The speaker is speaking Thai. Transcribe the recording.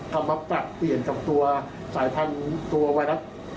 เอามาปรับเปลี่ยนกับตัวสายพันธุ์ตัวไวรัส